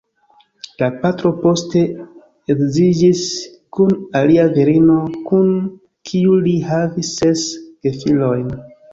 La patro poste edziĝis kun alia virino, kun kiu li havis ses gefilojn.